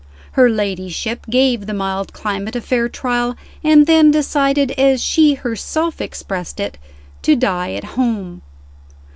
Her ladyship gave the mild climate a fair trial, and then decided (as she herself expressed it) to "die at home."